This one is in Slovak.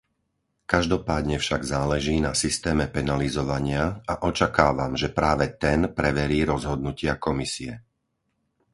Každopádne však záleží na systéme penalizovania a očakávam, že práve ten preverí rozhodnutia Komisie.